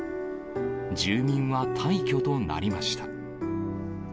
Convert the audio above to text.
住民は退去となりました。